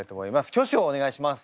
挙手をお願いします。